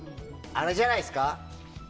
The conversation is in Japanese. あれじゃないですか？